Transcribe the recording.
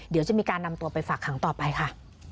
เดี๋ยวจะมีการนำตัวไปฝากขังต่อไปค่ะ